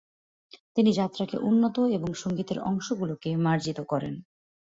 তিনি যাত্রাকে উন্নত এবং সংগীতের অংশগুলিকে মার্জিত করেন ।